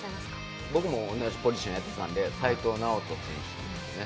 僕もおんなじポジションやってたんで齋藤直人選手ですね